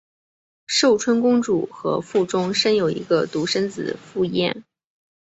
寿春公主和傅忠生有一个独生子傅彦。